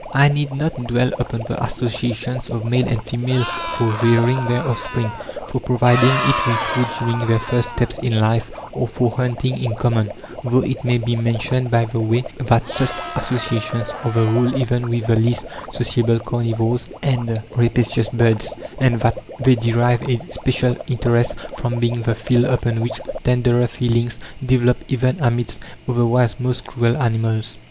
I need not dwell upon the associations of male and female for rearing their offspring, for providing it with food during their first steps in life, or for hunting in common; though it may be mentioned by the way that such associations are the rule even with the least sociable carnivores and rapacious birds; and that they derive a special interest from being the field upon which tenderer feelings develop even amidst otherwise most cruel animals.